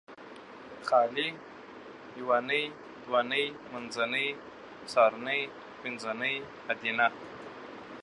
خالي یونۍ دونۍ منځنۍ څارنۍ پنځنۍ ادینه